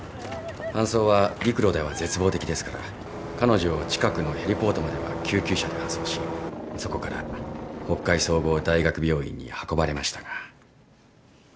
搬送は陸路では絶望的ですから彼女を近くのヘリポートまでは救急車で搬送しそこから北海総合大学病院に運ばれましたが。